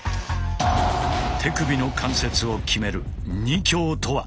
手首の関節を極める「二教」とは？